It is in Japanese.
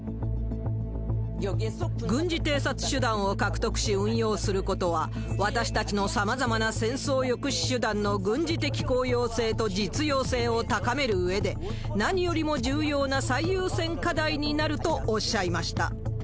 軍事偵察手段を獲得し運用することは、私たちのさまざまな戦争抑止手段の軍事的効用性と実用性を高めるうえで、何よりも重要な最優先課題になるとおっしゃいました。